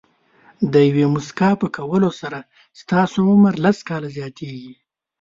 د یوې موسکا په کولو سره ستاسو عمر لس کاله زیاتېږي.